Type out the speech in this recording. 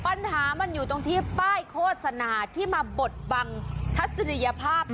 ปัญหามันอยู่ตรงที่ป้ายโฆษณาที่มาบดบังทัศนียภาพ